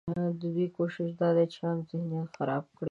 ددوی کوشش دا دی چې عام ذهنیت خراب کړي